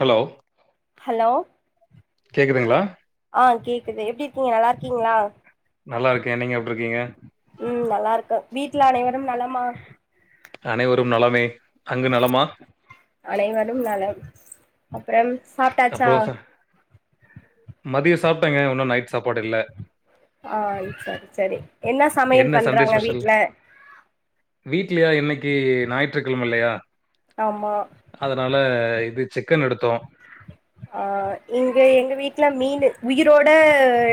Hello hello கேக்குதுங்களா ஆ கேக்குது எப்டி இருக்கீங்க நல்லா இருக்கீங்களா நல்லா இருக்க நீங்க எப்டி இருக்கீங்க உம் நல்லா இருக்கோ வீட்ல அனைவரும் நலமா அனைவரும் நலமே அங்கு நலமா அனைவரும் நலம் அப்புறம் சாப்டாச்சா மதியோ சாப்டங்க இன்னு நைட் சாப்பாடு இல்ல ஆ சர் சரி என்ன சமையல் என்ன சண்டே பண்றாங்க ஸ்பெஷல்? வீட்ல வீட்லயா இன்னைக்கு ஞாயிற்றுக்கிழமை இல்லையா ஆமா அதனால இது சிக்கன் எடுத்தோம் ஆ இங்க எங்க வீட்டுல மீனு உயிரோட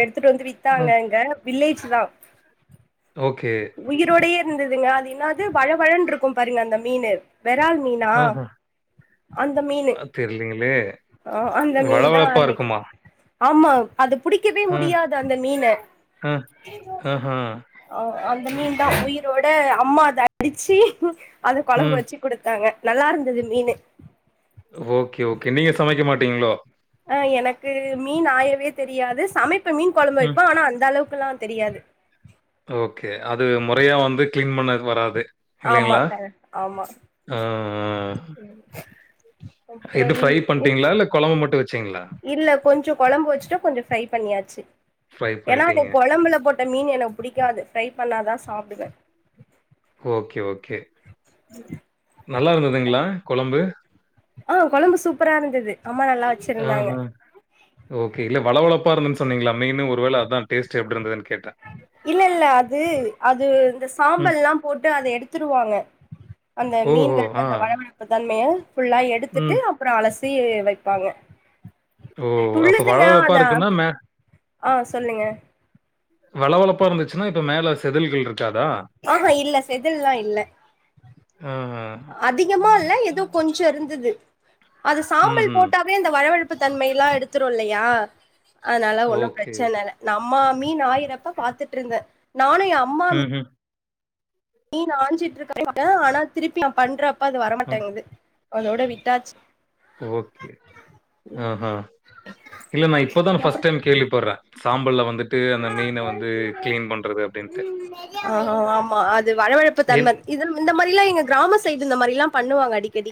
எடுத்துட்டு வந்து வித்தாங்க ம். நாங்க வில்லேஜ் தா ஓகே உயிரோடயே இருந்ததுங்க அது என்னாது வழவழன் இருக்கும் பாருங்க அந்த மீனு வெறால் மீனா ஆஹ. அந்த மீனு தெரியலீங்களே! அந்த மீன் தா வழவழப்பா அன்னைக்கு இருக்குமா? ஆமா அது புடிக்கவே அ, முடியாது அந்த மீன அ, ஆஹா. அ அந்த மீன் தா உயிரோட அம்மா அத அடிச்சு அது குழம்பு ம். வச்சு குடுத்தாங்க நல்லா இருந்தது மீனு ஓகே ஓகே நீங்க சமைக்க மாட்டீங்களோ ஆ எனக்கு மீன் ஆயவே தெரியாது சமைப்ப மீன் குழம்பு ம். வைப்பே ஆனா அந்த அளவுக்கெல்லா தெரியாது ஓகே அது முறையா வந்து கிளீன் பண்ண வராது ஆமா இல்லைங்களா க ஆமா ஆ எது அப்புறம் ஃப்ரை பண்டீங்ளா இல்ல கொழம்பு மட்டு வெச்சீங்ளா இல்ல கொஞ்சோ கொழம்பு வெசிட்ட கொஞ்சோ ஃப்ரை பண்ணியாச்சு ஃப்ரை ஏன்னா பண்ணிட்டீங்க. கொழம்புல போட் மீன் எனக்கு புடிக்காது ஃப்ரை பண்ணாதா சாப்புடுவே ஓகே ஓகே உ நல்லா இருந்ததுங்ளா கொழம்பு ஆ கொழம்பு சூப்பரா இருந்தது அம்மா நல்லா வெச் ஆ ஆ ஓகே இல்ல வள வளப்பா இருந்ததுன் சொன்னீங்ளா மீனு ஒரு வேள அதா டேஸ்ட் எப்டி இருந்ததுனு கேட்ட இல்ல இல்ல அது அது இந்த ம். சாம்பல்லா போட்டு அத எடுத்துடுவாங்க அந்த ஓஹோ! மீன்ல இருக்க ஆ. அந்த வழவழப் அப்ப தன்மைய ஃபுல்லா எடுத்துட்டு ம். அப்றோ அலசி வெப்பாங்க ஓ! அப்ப துள்ளுதுங்க வழவழப்பா அதா இருக்குன்னா, மே ஆ சொல்லுங்க வளவளப்பா இருந்துச்சுன்னா இப்ப மேல செதில்கள் இருக்காதா ஆ ஹா இல்ல செதில்லா இல்ல. ஆ. அதிகமா இல்ல ஏதோ கொஞ்சோ இருந்தது. அது சாம்பல் ம்ஹ்ம். போட்டா அப்டியே இந்த வழவழப்பு தன்மைையல்லா எடுத்துரும் இல்லையா அதனால ஒன்னும் ஓகே. பிரச்சன இல்ல நா அம்மா மீன் ஆாயிறப்ப பாத்துட்டு இருந்தே நானு எயா அம் ம் ம் மீன் ஆஞ்சிட்டு இருக்க மாட்டேன் ஆனா திருப்பி பண்றப்ப அது அ. வரமாட்டேங்குது அதோட விட்டாச்சி ஓகே ஆ ஹா இல்ல நா இப்போதான ஃபர்ஸ்ட் டைம் கேள்வி பட்றே சாம்பல்ல வந்துட்டு அந்த மீன வந்து கிளீன் பண்றது அப்டின்ட்டு ஆ ஹா ஆமா அது வழவழப்பு என் தன்ம இதல் இந்த மாரிலா எங்க கிராம சைடு இந்த மாரில்லா பண்ணுவாங்க அடிக்கடி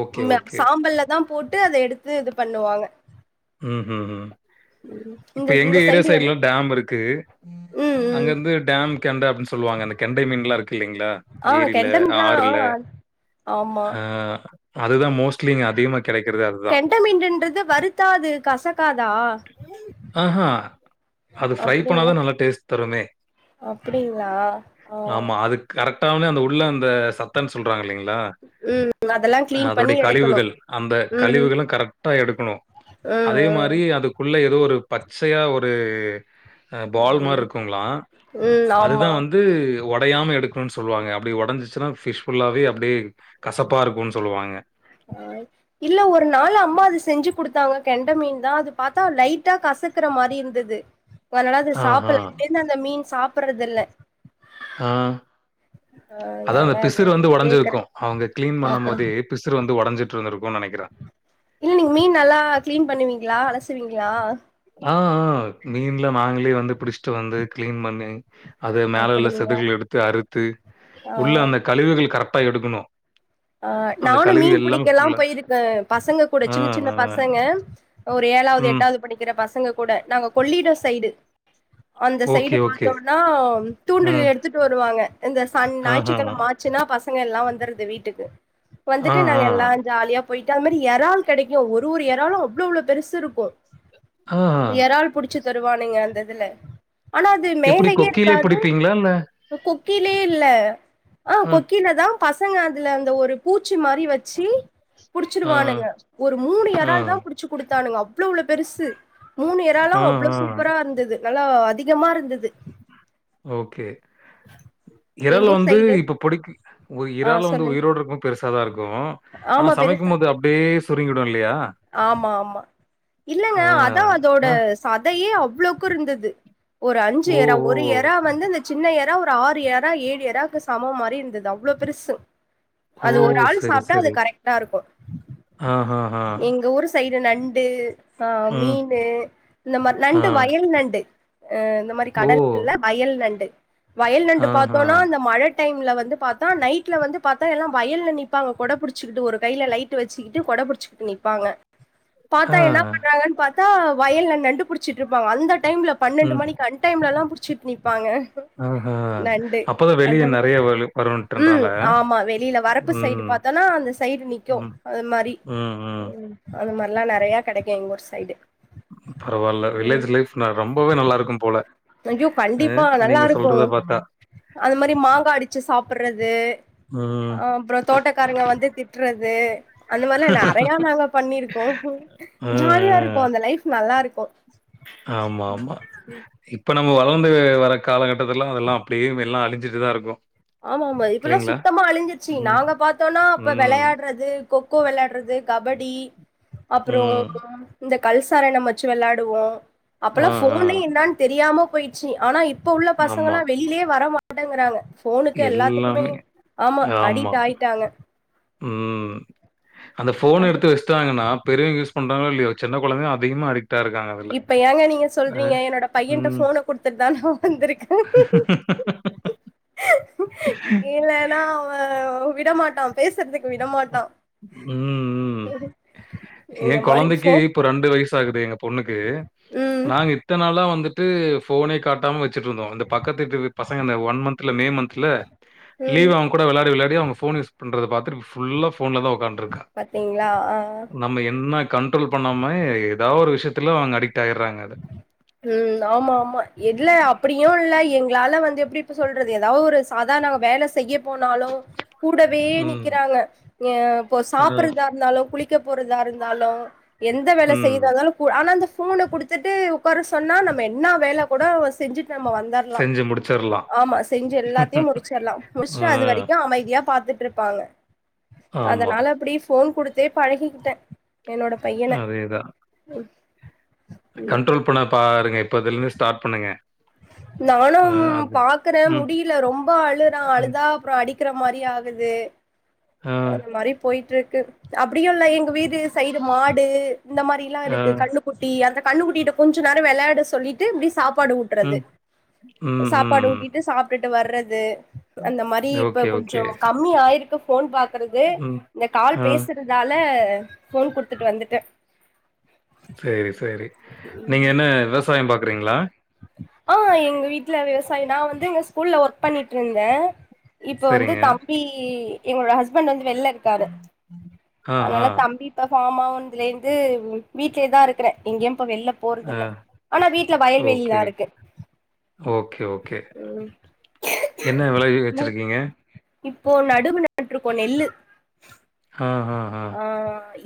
ஓகே, இந்த ஓகே. சாம்பல்லதா போட்டு அத எடுத்து இது பண்ணுவாங்க. ம் ம் ம் இப்ப இந்த எப் எங்க இந்த ஏரியா சைடு எல் சைட்லா டேம் இருக்கு ம் அங்க ம் இருந்து டேம் கெண்ட அப்டின்னு சொல்லுவாங்க அந்த கெண்டை மீன்லா இருக்கு இல்லைங்ளா ஆ ஏரில கெண்ட மீன்லா ஆறுல ஆமா ஆ அதுதா மோஸ்ட்லி இங்க அதிகமா கெடைக்கிறது அதுதா டை மீன் இன்றது வருத்தா அது கசகாதா ஆ ஹா அது ஃப்ரை அப்டிங்களா பண்ணாதா நல்லா டேஸ்ட் தருமே. அப்டிங்களா ஆ ஆமா அதுக் கரெக்ட்டா அவனே அந்த உள்ள அந்த சத்தன்னு சொல்றாங்க இல்லைங்ளா உள்ள அதெல்லா கிளீன் பண்ணி அதோடைய எடுக்கணு கழிவுகள் அந்த ம் கழிவுகளும் கரெக்டா எடுக்கணும். ம் அதே ம் மாரி அதுக்குள்ள ஏதோ ஒரு பச்சையா ஒரு பால் மாரி ம் இருக்குங்ளா ம் அதுதா ஆமா வந்து ஒடையாம எடுக்கணும்னு சொல்லுவாங்க அப்டி ஒடைஞ்சிச்சுனா ஃபிஷ் ஃபுல்லாவே அப்டியே கசப்பா இருக்கும்னு சொல்லுவாங்க. ஆ இல்ல ஒரு நாள் அம்மா அது செஞ்சு குடுத்தாங்க கெண்ட மீன் தா அது பாத்தா லைட்டா கசப் கசக்குற மாரி இருந்தது ஒ அதனால அது ஆஹா! சாப்புட்ல அதுலருந்து அந்த மீன் சாப்புட்றது இல்ல. ஆ அதா அதனால அந்த அது பிசுறு வந்து கேக்குறே ஒடஞ்சிருக்கு அவுங்க கிளீன் பண்ணும் சாப்டு போதே பிசுரு வந்து ஒடைஞ்சிட்டு இருந்திருக்கும்னு நெனைக்றே இல்ல நீங்க மீன் நல்லா கிளீன் பண்ணுவீங்களா, அலசுவீங்களா ஆ ஆ மீன்லா நாங்ளே வந்து புடிச்சிட்டு வந்து கிளீன் பண்ணி அது மேல உள்ள அப்டிங்களா செதில்கள எடுத்து அறுத்து ஆ உள்ள அந்த கழிவுகள் கரெக்ட்டா எடுக்கணு ஆ நானு மீன் புடிக்க எல்லா போயிருக்கே. பசங்க கூட ஆ, சின்ன சின்ன ஆ. பசங்க ஒரு ஏழாவது, ம். எட்டாவது படிக்கிற பசங்க கூட நாங்க கொல்லிட சைடு அந்த ஓகே, சைடு ஓகே. பாத்தோம்னா அ, தூண்டில எடுத்துட்டு வருவாங்க இந்த சன் ஆஹா. ஞாயிற்றுக்கிழமா ச்சுனா பசங்க எல்லா வந்தருது வீட்டுக்கு ஆ, வந்துட்டு ஆ. நாங்க எல்லா ஜாலியா போயிட்டா அ மாரி எறால் கெடைக்கு ஒரு ஒரு எறாளு அவ்ளோவ்ளோ பெருசு இருக்கு ஆ. எறால் புடுச்சு தருவானுங்க அந்த இதுல ஆனா அது எப்படி மேலயே கொக்கியிலே இருக்காது. பிடிப்பீங்களா? இல்ல? கொக்கிலே இல்ல ஆ அ, கொக்கிலதா பசங்க அதுல அந்த ஒரு பூச்சி மாரி வச்சு ஆ, புடுச்சுருவானுங்க ஒரு மூணு ஆ, எறால் தா புடுச் ச்சு குடுத்தானுங்க அவ்ளோவ்ளோ பெருசு மூணு இறாலு ஆ, அவ்ளோ சூ ஆ. ப்பரா இருந்தது நல்லா அதிகமா இருந்தது. ஓக்கே இறால எங்க ஊர் வந்து சைடு இப்ப புடிக் ஒரு ஆ இறால் வந்து சொல்லுங் உயிரோடு இருக்கும்போ பெருசா தா இருக்கு. ஆனா ஆமா சமைக்கும் பெருசா போது அப்டியே சுருங்கிடு இல்லையா. ஆமா ஆமா இல்லைங்க ஆ, அதா அதோட ஆ. சதையே அவ்ளோக்கு இருந்தது. ஒரு அஞ்சு ஓ! எறா ஓ! ஒரு எ றா வந்து இந்த சின்ன எறா ஒரு ஆறு எறா ஏழு எறாக்கு சமம் மாரி இருந்தது அவ்ளோ பெருசு ஓ! அது ஒரு ஆள் சாப்ட்டா அது கரெக்ட்டா இருக்கு ஆஹா எங்க ஊரு சைடு நண்டு ஆ ம். மீனு இந்த மார் ஆ. நண்டு வயல் நண்டு அ இந்த மாரி ஓ! கடல் [inaudible] வயல் நண்டு வயல் நண்டு ஆஹா. பாத்தோனா இந்த மழ டைம்ல வந்து பாத்தா நைட்ல வந்து பாத்தா எல்லா வயல்ல நிப்பாங்க கொட புடிச்சுகிட்டு ஒரு கைல லைட்டு வச்சுக்கிட்டு கொட புடுச்சுக் நிப்பாங்க ஆ. பாத்தா என்னா பண்றாங்கன் பா த்தா வயல்ல நண்டு புடுச்சிட்டு இருப்பாங்க அந்த டைம்ல பன்னெண்டு ம். மணிக்கு அன்டைம்லலா புடுச்சிட் நிப்பாங்க ஆஹா. நண்டு அப்பதான் வெளிய அந்த நெறைய வலு ம் வரும்ன்றனால. ஆமா வெளில வரப்பு சைடு ம். பாத் தனா அந்த சைடு நிக்கு ம். அது மாரி ம் அந்த மார்லா நெறைய கெடைக்கு எங்ஊர் சைடு பரவால்ல ம் வில்லேஜ் லைஃப் ரொம்பவே நல்லா இருக்கும்போல ஐயோ கண்டிப்பா நல்லாருக்கு அது மாரி மாங்கா அடுச்சு சாப்பட்றது ம். அ அப்றோ தோட்டக்காரங்க வந்து திட்றது. அந்த மாதிரிலா நா ங்க பண்ணிருக்கோ அ, ஜாலியா இருக்கு அ. அந்த லைஃப் நல்லாருக்கு ஆம்மாம்மா இப்ப நம்ம வளந்து வர காலகட்டத்து லா அதெல்லா அப்டியே எல்லா அழஞ்சிட்டுதா இருக்கு ஆமாமா இப்பல்லா சுத்தமா அழிஞ்சிருச்சு ம். நாங்க பா்த்தோன்னா அப்ப ம். விளையாட்றது கொக்கோ விளாட்றது கபடி அப்றோ ம். இந்த கல்சரணம் வச்சு வெள்ளாடுவோ ஆ, அப்பெல்லா ஆ. ஃபோனே என்னான் தெரியாம போயிச்சு ஆனா இப் இப்ப உள்ள ஆமா. பசங்கலா வெளிலியே வரமாட்டேங்றாங்க ஃபோனுக்கு எல்லாத்துக்குமே எல்லாமே. ஆமா அடிக்ட் ஆயி ட்டாங்க ம் அந்த ஃபோன அப் எடுத்து வெச் ட்டாங்னா பெரியவங்க யூஸ் பண்றாங்ளோ இல்லியோ சின்ன கொழந்தைக அதிகமா அடிக் டாருக்காங்க இப்ப ஏங்க நீங்க சொல்றீங்க என்னோட பையன்ட்ட ம். ஃபோன குடுத்துட்டுதா நா வந்துருக்க இல்லன்னா அவ விடமாட்டா பேசுறதுக்கு விடமாட்டா ம் ம் எ இந்த மாரி கொழந்தைக்கி ஃபோன் இப்போ ரெண்டு வயச் சு ஆகுது எங்க பொண்ணுக்கு ம் நாங்க இ த்தனாளா வந்துட்டு ஃபோனே காட்டாம வெச்சிட்டு இருந்தோ இந்த பக்கத்து வீட்டு பசங்க இந்த ஒன் மந்த்துல மே மந்த்துல ம் லீவ் அவுங்க கூட வெளாடி வெளாடி அவுங்க ஃபோன் யூஸ் பண்றத பாத்துட்டு ஃபுல்லா ஃபோன்லதா உக்காந் பாத்தீங்களா ஆ நம்ம என்னா கண்ட்ரோல் பண்ணாம ஏதா ஒரு விஷயத்துல அவுங்க அடிக்ட் ஆயிடுறாங்க அது ம் ஆமா ஆமா இல்ல அப்டியு இல்ல எங்களால வந்து எப்டி இப்ப சொல்றது ஏதா ஒரு அதா நாங்க வேல செய்ய போனாலு கூடவே ம் நிக்கிறாங்க ஏ ஆ, சாப்றதா இருந்தாலு குளி க்க போறதா இருந்தாலு எந்த வேல ம் செய்றதா இருந்தாலு ஆனா அந்த ஃபோன குடுத்துட்டு உக்கார சொன்னா நம்ம என்னா வேல கூட செஞ்சுட்டு நம்ம வந் தர்லா செஞ்சு முடிச்சிடலாம் ஆமா செஞ்சி எல்லாத்தையு முடிச்சிருலா ஆ, முடிச்சிட்டு அது வரைக்கு அமைதியா பாத்துட்டு இருப் பாங்க ஆமா அதுனால அப்டியே ஃபோன் குடுத்தே பழகிக்கிட்ட என்னோட பையன அதேதான் ம் கண்ட்ரோல் பண்ண பாருங்க இப்போதுல இருந்து ஸ்டார்ட் பண்ணுங்க நானு ஆ, அது பாக்குற ம் முடியில ரொம்போ அழுறா ம், அழுதா அப்புறோ அடிக்கிற மாரி ஆகுது ஆ, அந்த மாரி போய்ட்டு இருக்கு அப்டியோ இல்ல எங் வீடு சைடு மாடு இந்த மாரிலா ஆ, இருக்கு கன்னுக் குட்டி அந்த கன்னு குட்டிட்ட கொஞ்சோ நேரோ வெளையாட சொல்லிட்டு இப்டி சாப்பாடு ஊ ம் ட்றது ம் சாப்பாடு ம் ஊட்டிட்டு சாப் டுட்டு வர்றது அந்த மாரி இப்ப ஓகே ஓகே கொஞ்சோ கம்மி ஆயிருக்கு ஃபோன் பாக் கறது ம் இந்த கால் ஆ பேசுறதால ஃபோன் குடுத்துட்டு வந்துட்டே சேரி செரி நீங்க என்ன விவசாய பாக்குறீங்களா ஆ எங்க வீட்டுல விவசாயி நா வந்து இங்க ஸ்கூல்ல ஒர்க் பண்ணிட்ருந்தே இப்ப வந்து சரிங்க தம்பி என்னோட ஹஸ்பண்ட் வந்து வெளில இருக்காரு ஆ ஆ அதனால தம்பி இப்ப அம்மாவானதுல இருந்து வீட்லயேதா இருக்குறே எங்கேயு இப்ப வெளில ஆ போறதுல்ல ஆனா வீட்டுல வயல் வேளில ஓகே இருக்கே ஓகே ஓகே என்ன விளைவி ம் வச்சிருக்கீங்க? இப்போ நடுவு நட்ருக்கோ நெல்லு ஹா ஹா ஹா ஆ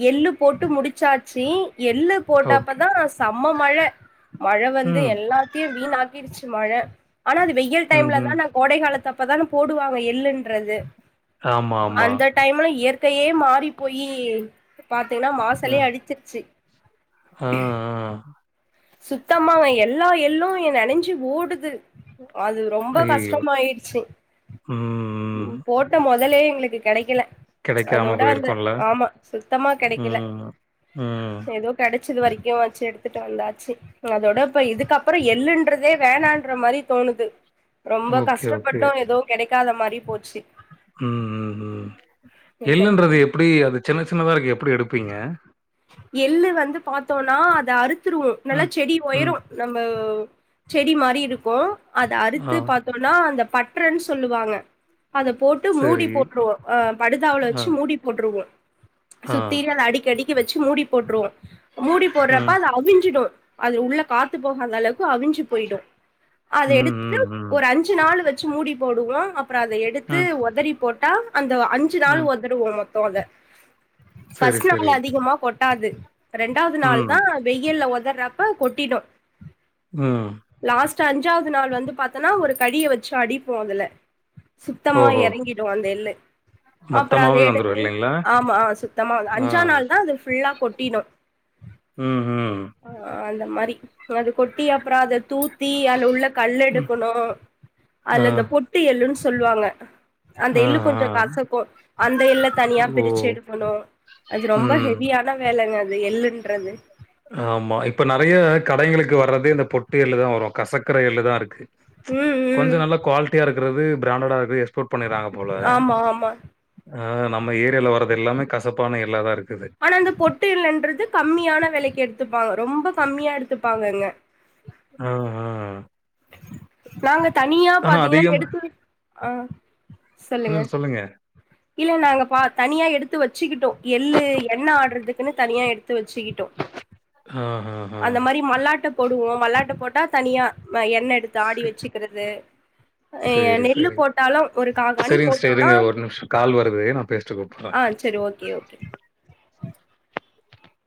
எள்ளு போட்டு முடிச்சாச்சு எள்ளு ஓகே. போட்டப்பதா செம்ம மழ மழ வந்து ம். எல்லாத்தையு வீணாக்கிடுச்சு மழ ஆனா அது வெயில் டைம்ல ம்ஹ்ம். தா நா கோடை காலத்து அப்பதானு போடுவாங்க எள்ளுன்றது ஆமா, ஆமா. அந்த டைம்ல இயற்கையே மாறி போயி பாத்தீங்கன்னா அ, மாசலயே அடிச்சிருச்சு ஆ, ஆ சுத்தமாங்க எல்லா எள்ளூ இங்க நெனஞ்சு ஓடுது அது ரொம்ப ஐயய்யோ! கஷ்டமாயிடுச்சு ம் போட் ட மொதலே எங்களுக்கு கெடைக்கல கிடைக்காம அதோட அந்த போயிருக்கும்ல. ஆமா சுத்தமா கெடைக்கல ம். ம். எதோ கெடச்சது வரைக்கு வெச்சு எடுத்துட்டு வந்தா சு அதோட இப்ப இதுக்கப்பறோ எள்ளுன்றதே வேணான்ற மாரி தோணுது ரொம்ப ஓகே, ஓகே. கஷ்டப்பட்டு எது கெடைக்காத மாரி போச்சு ம் ம் ம் எள்ளுன்றது எப்டி அது சின்ன சின்னதா இருக்கு எப்டி எடுப்பீங்க எள்ளு வந்து பாத்தோனா அத அறுத்துருவோ நல்லா ம். செடி ம். ஒயரோ நம்ம செடி மாரி இருக்கு அத ஆ. அறுத்து பாத் தோனா அந்த பட்றன் சொல்லுவாங்க அத போட்டு மூடி சரி. போட்டுடுவோ அ படுதாவுல ஆ, வச்சு மூடி போட்ருவோ ஆ. சுத்தி அத அடிக்கடிக்க வச்சு மூடி போட்ருவோ மூடி போடுறப்ப ம். அத அவிஞ்சுடு அது உள்ள காத்து போகாத அளவுக்கு அவிஞ்சு போயிடு அத ம், எடுத்துட்டு ம், ம். ஒரு அஞ் அஞ்சு நாள் வச்சு மூடி போடுவோ அப்பறோ அத எடுத்து ம், உதறி போட்டா அந்த அஞ் அஞ்சு நாள் ம். ஒதருவோ மொத்தோ அத சரி, ஃபர்ஸ்ட் நாள் சரி. அதிகமா கொட்டாது ரெண்டாவது நாள் ம். தா வெயில்ல உதர்றப்ப கொட்டிடு ம் லாஸ்ட்டா அஞ்சாவது நாள் வந்து பாத்தனா ஒரு கடிய வச்சு அடிப்போ அதுல சுத்தமா ஓஹோ! எறங்கிடு அந்த எள்ளு அப்பறோ அத மொத்தமாவே வந்துரும் எடுத்து இல்லைங்களா? ஆமா சுத்தமா அது ஆ. அஞ்சா நாள் தா அது ஃபுல்லா கொட்டிடு ம் ம் ஆ அந்த மாரி அது கொட்டி அப்பறோ அத தூத்தி அதுல உள்ள ம். கல்லெடுக்கணு ஆ. அதுல இந்த பொட்டு எள்ளுன் சொல்வாங்க அந்த ஆ, எள்ளு ஆ. கொஞ்சோ கசக்கு அந்த எள்ள தனியா ஓ! பிருச்சு எடுக்கணு அது ரொம்ப ம். ஹெவியான வேலைங்க அது எள்ளுன்றது ஆமா இப்ப நெறைய கடைகளுக்கு வர்றதே இந்த பொட்டு எள்ளு தா வரு கசக்கர எள்ளு தா இருக்கு ம் கொஞ்சோ ம் நல்லா குவாலிட்டியா இருக்கறது பிராண்டடா இருக்கறது எக்ஸ்போர்ட் பண்ணிறாங்க போல ஆமா ஆமா ஆ நம்ம ஏரியால வர்றது எல்லாமே கசப்பான எள்ளாதா இருக்குது ஆனா அந்த பொட்டு எள்ளுன்றது கம்மியான வெலைக்கு எடுத்துப்பாங்க ரொம்ப கம்மியா எடுத்துப்பாங்க அங்க ஆ ஹ நாங்க தனியா ஆனா பாத்தீங்கன்னா அதிகம் எடுத்து ஆ சொல்லுங்க இல்ல நாங்க பா தனியா எடுத்து வச்சுக்கிட்டோ எள்ளு எண்ண ஆட்றதுக்குன்னு தனியா எடுத்து வச்சுக்கிட் டோ ஆஹஹ. அந்த மாரி மல்லாட்டு போடுவோ மல்லாட்டா போட்டா தனியா எண்ண எடுத்து ச ஆடி வச்சுக்கறது அ சரி, நெல்லு சரி. போட்டாலு ஒரு காகணி சரிங்க சிஸ்டர் போட்டோனா இருங்க ஒரு நிமிஷம் கால் வருது நா ஆ சேரி ஓகே ஓ